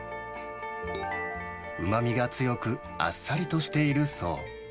うまみが強く、あっさりとしているそう。